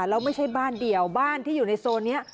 แล้วไม่ใช่บ้านเดียวบ้านที่อยู่ในโซนนี้